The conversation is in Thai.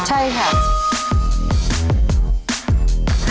ใช่ค่ะ